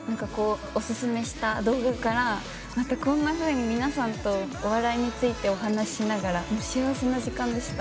オススメした動画から何かこんなふうに皆さんとお笑いについてお話ししながら幸せな時間でした。